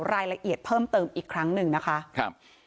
รายละเอียดเพิ่มเติมอีกครั้งหนึ่งนะคะครับ